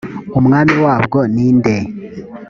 umwami wabwo ni nde?